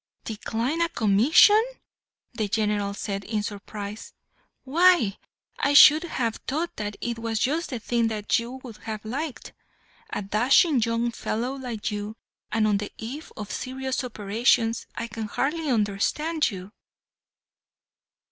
"Decline a commission!" the General said in surprise. "Why, I should have thought that it was just the thing that you would have liked a dashing young fellow like you, and on the eve of serious operations. I can hardly understand you."